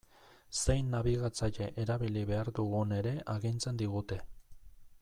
Zein nabigatzaile erabili behar dugun ere agintzen digute.